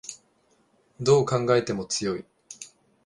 どう考えても強い